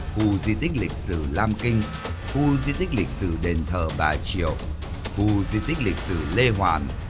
khu di tích lịch sử lam kinh khu di tích lịch sử đền thờ bà triệu khu di tích lịch sử lê hoàn